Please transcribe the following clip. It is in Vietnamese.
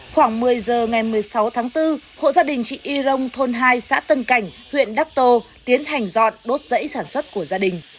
khoảng một mươi giờ ngày một mươi sáu tháng bốn hộ gia đình chị y rông thôn hai xã tân cảnh huyện đắc tô tiến hành dọn đốt dãy sản xuất của gia đình